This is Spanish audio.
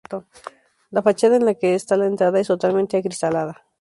La fachada en la que está la entrada es totalmente acristalada.